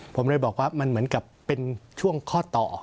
ผมเลยบอกว่ามันเหมือนกับเป็นช่วงข้อต่อ